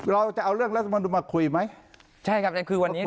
เราจะเอาเรื่องรัฐมนุมมาคุยไหม